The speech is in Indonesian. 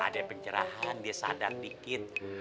ada yang pencerahan dia sadar dikit